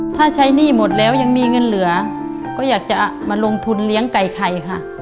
ถ้าใช้หนี้หมดแล้วยังมีเงินเหลือก็อยากจะมาลงทุนเลี้ยงไก่ไข่ค่ะ